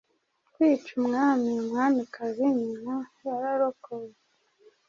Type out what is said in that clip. Kwica umwami-umwamikazi-nyina yararokowe